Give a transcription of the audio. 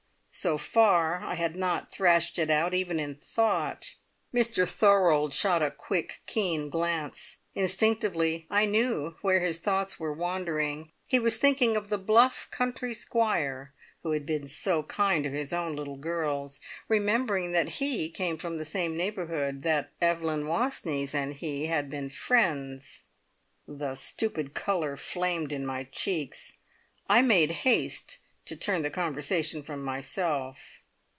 So far, I had not thrashed it out even in thought. Mr Thorold shot a quick, keen glance. Instinctively, I knew where his thoughts were wandering. He was thinking of the bluff country Squire who had been so kind to his own little girls, remembering that he came from the same neighbourhood; that Evelyn Wastneys and he had been friends. The stupid colour flamed in my cheeks. I made haste to turn the conversation from myself.